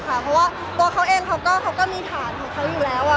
เพราะว่าตัวเขาเองเขาก็มีฐานของเขาอยู่แล้ว